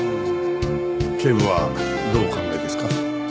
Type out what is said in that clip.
警部はどうお考えですか？